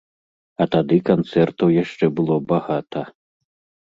А тады канцэртаў яшчэ было багата!